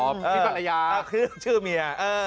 อ๋อพี่ปรายยาคือชื่อเมีย